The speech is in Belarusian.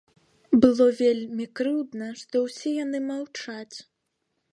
Было вельмі крыўдна, што ўсе яны маўчаць.